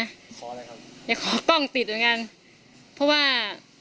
ขออะไรครับอย่าขอกล้องติดเหมือนกันเพราะว่า